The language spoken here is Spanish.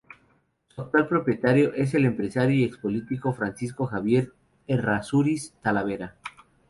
Su actual propietario es el empresario y expolítico Francisco Javier Errázuriz Talavera.